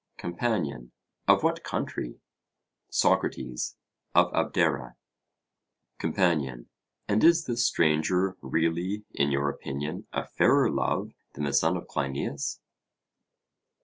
COMPANION: Of what country? SOCRATES: Of Abdera. COMPANION: And is this stranger really in your opinion a fairer love than the son of Cleinias?